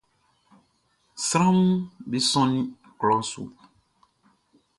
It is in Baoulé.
Sranʼm be sɔnnin klɔʼn su.